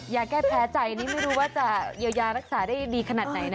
แยแก้แพ้ใจไม่รู้ว่ายารักษาได้ดีขนาดไหน